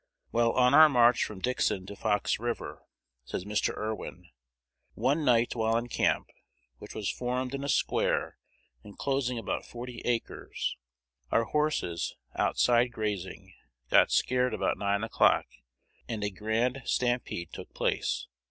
"While on our march from Dixon to Fox River," says Mr. Irwin, "one night while in camp, which was formed in a square enclosing about forty acres, our horses, outside grazing, got scared about nine o'clock; and a grand stampede took place.